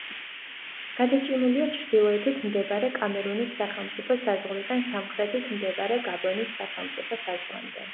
გადაჭიმულია ჩრდილოეთით მდებარე კამერუნის სახელმწიფო საზღვრიდან, სამხრეთით მდებარე გაბონის სახელმწიფო საზღვრამდე.